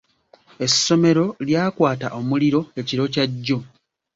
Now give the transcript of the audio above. Essomero lyakwata omuliro ekiro kya jjo.